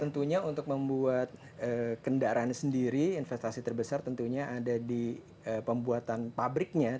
tentunya untuk membuat kendaraan sendiri investasi terbesar tentunya ada di pembuatan pabriknya